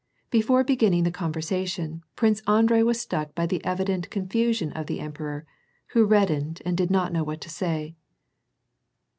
Before beginning the conversation, Prince Andrei was struck by the evident confus ion of the emperor, who reddened and did not know what to say.